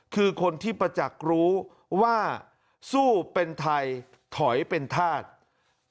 คือคนที่ประจักษ์รู้ว่าสู้เป็นไทยถอยเป็นธาตุ